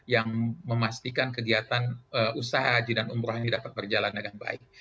yang memastikan kegiatan usaha haji dan umroh ini dapat berjalan dengan baik